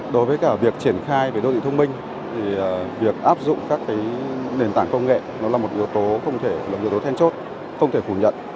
đối với việc triển khai đô thị thông minh việc áp dụng các nền tảng công nghệ là một yếu tố thêm chốt không thể phủ nhận